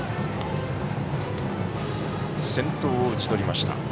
先頭を打ち取りました。